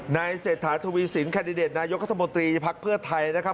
เศรษฐาทวีสินแคนดิเดตนายกัธมนตรีภักดิ์เพื่อไทยนะครับ